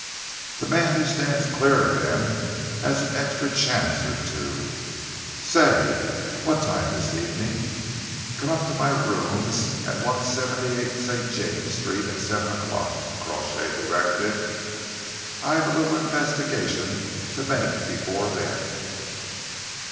The man who stands clear of them has an extra chance or two Say, what time this evening?" "Come to my rooms at 178, St. James's Street, at seven o'clock," Crawshay directed. "I've a little investigation to make before then."